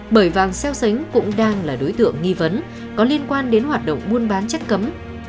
bởi vàng xeo xánh cũng đang là đối tượng nghi vấn có liên quan đến hoạt động buôn bán chất cấm